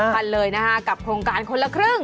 ครับกับโครงการคนละครึ่ง